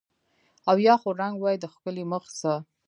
او یا خو رنګ وای د ښکلي مخ زه